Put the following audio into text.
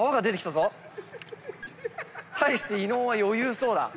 対して伊野尾は余裕そうだ。